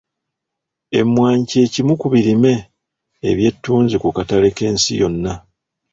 Emmwanyi kye kimu ku birime eby'ettunzi ku katale k'ensi yonna.